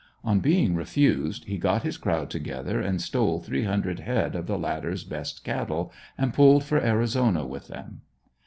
On being refused he got his crowd together and stole three hundred head of the latter's best cattle and pulled for Arizona with them.